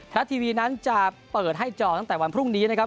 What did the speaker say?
รัฐทีวีนั้นจะเปิดให้จองตั้งแต่วันพรุ่งนี้นะครับ